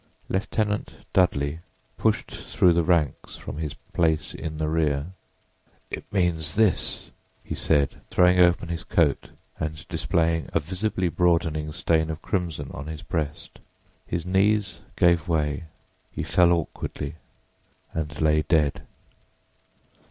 Lieutenant Dudley pushed through the ranks from his place in the rear. "It means this," he said, throwing open his coat and displaying a visibly broadening stain of crimson on his breast. His knees gave way; he fell awkwardly and lay dead.